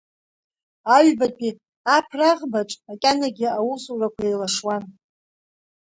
Аҩбатәи аԥраӷбаҿ макьанагьы аусурақәа еилашуан.